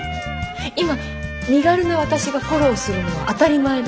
今身軽な私がフォローするのは当たり前で。